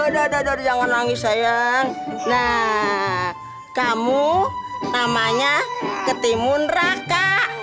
aduh aduh aduh aduh jangan nangis sayang nah kamu namanya ketimun raka